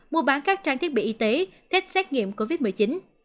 mua bán các trang thiết bị y tế thích xét nghiệm covid một mươi chín